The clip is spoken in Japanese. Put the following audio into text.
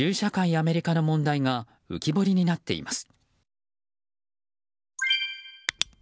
アメリカの問題が浮き彫りになっています。